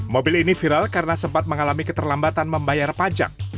mobil ini viral karena sempat mengalami keterlambatan membayar pajak